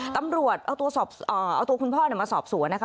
ตำรวจเอาตัวคุณพ่อมาสอบสวนนะคะ